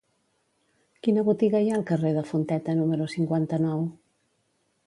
Quina botiga hi ha al carrer de Fonteta número cinquanta-nou?